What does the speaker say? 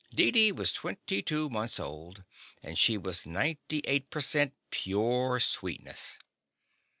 Deedee was twenty two months old, and she was ninety eight per cent, pure sweetness.